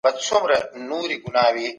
تر هغې چي ته را تلي ما کار خلاص کړی و.